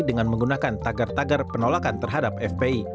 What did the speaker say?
dengan menggunakan tagar tagar penolakan terhadap fpi